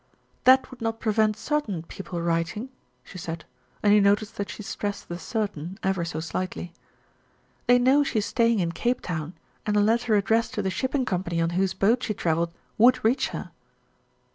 "That would not prevent certain people writing," she said, and he noticed that she stressed the "certain" ever so slightly. "They know she is staying in Cape Town, and a letter addressed to the shipping company on whose boat she travelled would reach her."